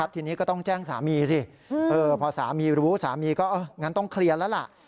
ทีนี้ก็ต้องแจ้งสามีสิพอสามีรู้สามีก็งั้นต้องเคลียร์แล้วล่ะ